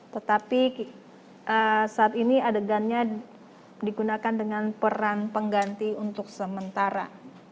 tetapi saat ini adegannya digunakan dengan peran pengganti untuk sementara